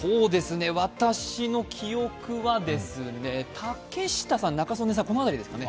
私の記憶は竹下さん、中曽根さん、この辺りですね。